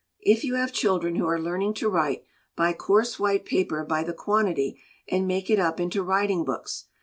If you have Children who are learning to write, buy coarse white paper by the quantity, and make it up into writing books.